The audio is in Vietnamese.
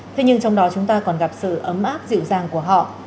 thế nhưng trong đó chúng ta còn gặp sự ấm áp dịu dàng của họ